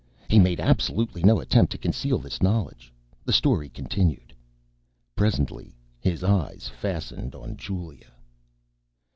He made absolutely no attempt to conceal this knowledge. The story continued: _... presently his eyes fastened on Julia.